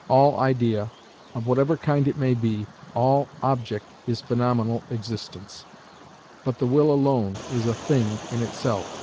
All idea, of whatever kind it may be, all object, is phenomenal existence, but the will alone is a thing in itself.